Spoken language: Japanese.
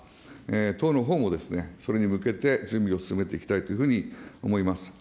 党のほうもそれに向けて、準備を進めていきたいというふうに思います。